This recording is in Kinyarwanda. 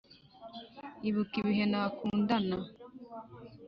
ibuka ibihe nakundana